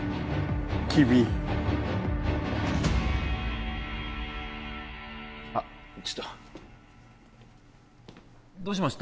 君ちょっとどうしました？